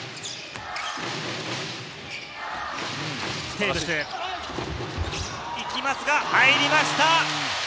テーブス、いきますが、入りました！